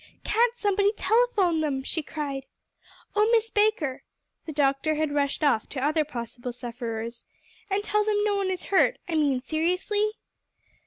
"Can't somebody telephone them?" she cried; "Oh, Miss Baker" the doctor had rushed off to other possible sufferers "and tell them no one is hurt; I mean seriously?"